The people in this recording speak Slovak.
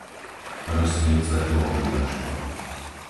Rozsvieť svetlo v obývačke.